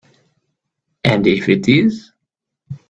And if it is?